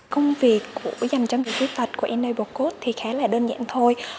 công việc của dành cho người khuyết tật của enablecode thì khá là đơn giản thôi